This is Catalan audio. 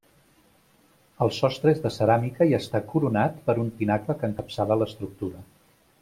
El sostre és de ceràmica i està coronat per un pinacle que encapçala l'estructura.